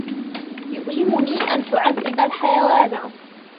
يُؤْلِمُني أَنْ تُعَذِّبَ الْحَيَوَانَ.